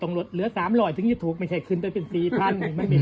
ตรงหลัดเหลือสามหลอยถึงจะถูกไม่ใช่ขึ้นไปเป็นสี่พันไม่มี